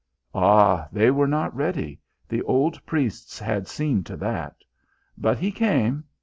Ah, they were not ready the old priests had seen to that. But he came.